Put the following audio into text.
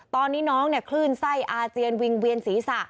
ตอนนี้น้องคลื่นไส้อาเจียนวิ่งเวียนศีรษะ